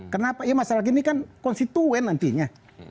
kenapa ya masyarakat ini kan konstituen nantinya